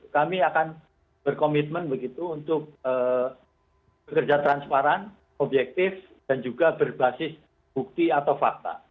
kami akan berkomitmen begitu untuk bekerja transparan objektif dan juga berbasis bukti atau fakta